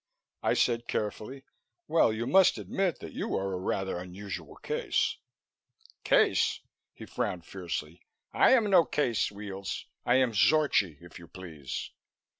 I said carefully, "Well, you must admit you are a rather unusual case." "Case?" He frowned fiercely. "I am no case, Weels. I am Zorchi, if you please."